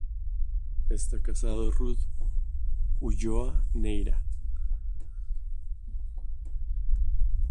Está casado con Ruth Ulloa Neira.